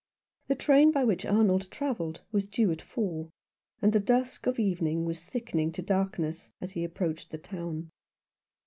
The train by which Arnold travelled was due at four, and the dusk of evening was thickening to darkness as he approached the town.